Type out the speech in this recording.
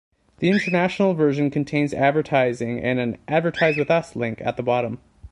The international version contains advertising and an "Advertise With Us" link at the bottom.